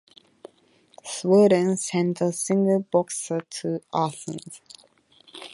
Sweden sent a single boxer to Athens.